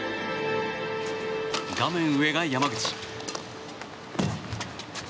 画面上が山口。